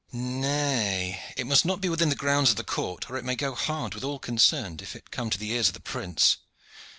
"Nay; it must not be within the grounds of the court, or it may go hard with all concerned if it come to the ears of the prince."